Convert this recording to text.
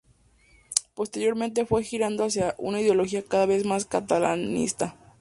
Posteriormente fue girando hacia una ideología cada vez más catalanista.